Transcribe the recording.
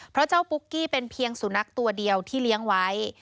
เพราะเจ้าปุ๊กกี้เป็นเพียงสุนัขตัวเดียวที่เลี้ยงไว้